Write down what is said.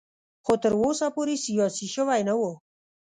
خو تر اوسه پورې سیاسي شوی نه و.